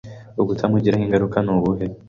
ubutamugiraho ingaruka ni ubuhe